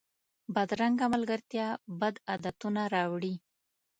بدرنګه ملګرتیا بد عادتونه راوړي